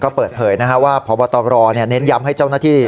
ก็เปิดเผยว่าพบตรเน้นย้ำให้เจ้าหน้าที่